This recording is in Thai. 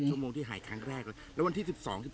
ชั่วโมงที่หายครั้งแรกแล้ววันที่๑๒